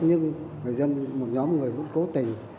nhưng một nhóm người vẫn cố tình